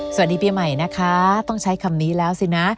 สวัสดีปีใหม่นะคะต้องใช้คำนี้แล้วสินะ